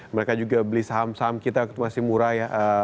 mereka juga beli saham saham kita masih murah ya